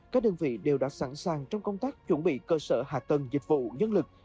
các đơn vị đều đã sẵn sàng trong công tác chuẩn bị cơ sở hạ tầng dịch vụ nhân lực